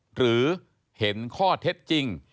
หรือเห็นข้อเท็จจริง